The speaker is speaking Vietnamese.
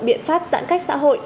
biện pháp giãn cách xã hội